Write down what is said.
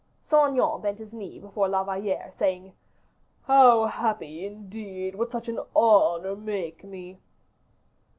Saint Aignan bent his knee before La Valliere, saying, "How happy, indeed, would such an honor make me!"